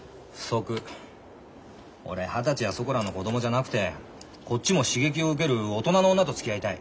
俺二十歳やそこらの子供じゃなくてこっちも刺激を受ける大人の女とつきあいたい。